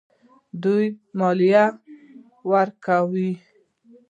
دوی مالیه ورکوي.